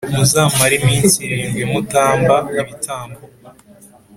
muzamare iminsi irindwi mutamba ibitambo